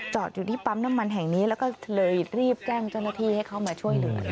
อยู่ที่ปั๊มน้ำมันแห่งนี้แล้วก็เลยรีบแจ้งเจ้าหน้าที่ให้เข้ามาช่วยเหลือ